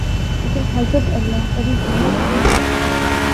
لیکن Hezbollah کبھی ہمت نہیں ہاری۔